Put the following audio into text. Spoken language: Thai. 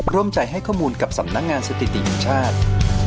ร่วมใจให้ข้อมูลกับสำนักงานสถิติแห่งชาติ